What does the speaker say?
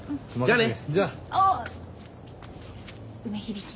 じゃあね。